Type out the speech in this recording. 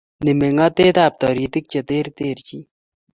Ni mengotet ab taritik che ter terchin